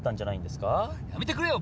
やめてくれよ！